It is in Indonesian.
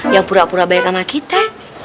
yang pura pura baik sama kita